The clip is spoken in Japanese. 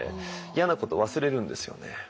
嫌なこと忘れるんですよね。